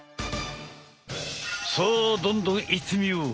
さあどんどんいってみよう！